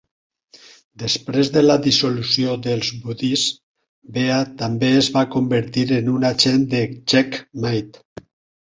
Després de la dissolució dels Buddies, Bea també es va convertir en un agent de Checkmate.